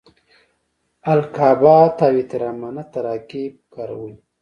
القابات او احترامانه تراکیب کارولي.